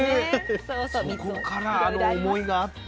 そこからあの思いがあって。